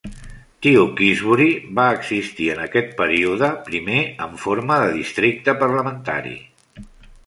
Tewkesbury va existir en aquest període, primer en forma de districte parlamentari.